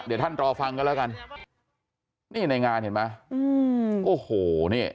เดี๋ยวท่านรอฟังกันแล้วกันนี่ในงานเห็นไหมอืมโอ้โหนี่